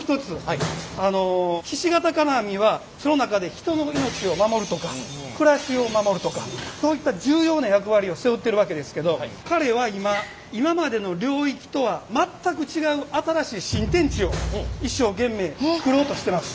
ひし形金網はその中で人の命を守るとか暮らしを守るとかそういった重要な役割を背負ってるわけですけど彼は今今までの領域とは全く違う新しい新天地を一生懸命作ろうとしてます。